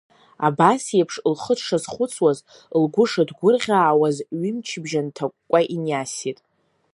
Абас еиԥш лхы дшазхәыцуаз, лгәы шыҭгәырӷьаауаз, ҩымчабжьа нҭакәкәа иниасит.